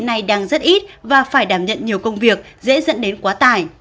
nay đang rất ít và phải đảm nhận nhiều công việc dễ dẫn đến quá tải